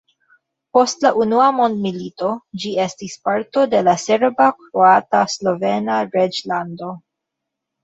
Post la unua mondmilito, ĝi estis parto de la Serba-Kroata-Slovena Reĝlando.